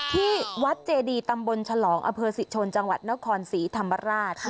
ที่วัดเจดีตำบลฉลองอเภอศิชนจังหวัดนครศรีธรรมราช